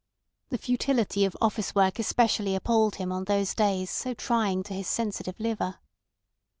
The futility of office work especially appalled him on those days so trying to his sensitive liver.